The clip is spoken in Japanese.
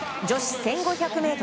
女子１５００ｍ。